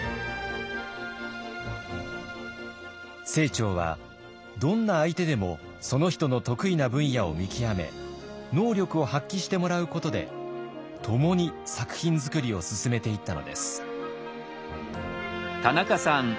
清張はどんな相手でもその人の得意な分野を見極め能力を発揮してもらうことで共に作品作りを進めていったのです。